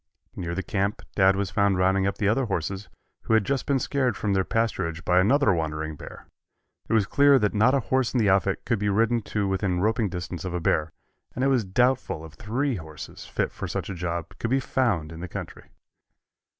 Near the camp Dad was found rounding up the other horses, who had just been scared from their pasturage by another wandering bear. It was clear that not a horse in the outfit could be ridden to within roping distance of a bear, and it is doubtful if three horses fit for such a job could be found in the country.